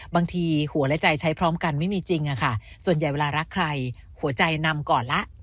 บางทีหัวและใจใช้พร้อมกันไม่มีจริงอะค่ะส่วนใหญ่เวลารักใครหัวใจนำก่อนละ